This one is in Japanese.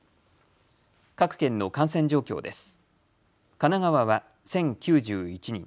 各県の感染状況です。